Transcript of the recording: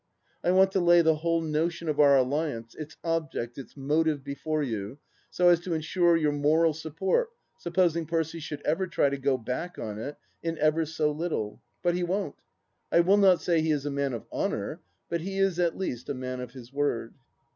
I want to lay the whole notion of our alliance, its object, its motive, before you, so as to ensure your moral support supposing Percy should ever try to go back on it in ever so little. But he won't. I will not say he is a man of honour, but he is at least a man of his word.